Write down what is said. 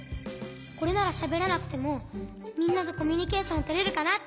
これならしゃべらなくてもみんなとコミュニケーションとれるかなって。